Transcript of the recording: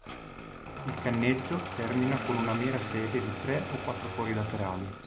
Il canneggio termina con una mera serie di tre o quattro fori laterali.